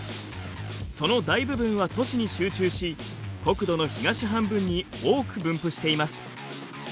その大部分は都市に集中し国土の東半分に多く分布しています。